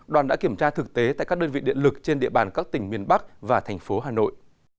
đoàn đã kiểm tra thực tế tại các đơn vị điện lực trên địa bàn các tỉnh miền bắc và thành phố hà nội